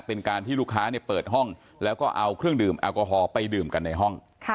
เป็นการที่ลูกค้าเปิดห้องแล้วก็เอาเครื่องดื่มแอลกอฮอล์ไปดื่มกันในห้อง